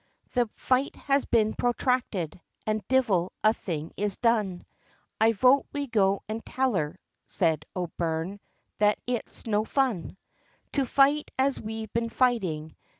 "The fight has been protracted, and divil a thing is done, I vote we go and tell her", said O'Byrne, "that it's no fun, To fight, as we've been fighting.